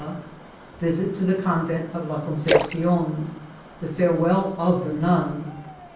— Fidt to fh» Convent of La Concepcion.~ The Farewell of the Nun.